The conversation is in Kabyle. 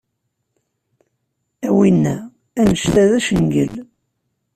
A wina, anect-a d acangel.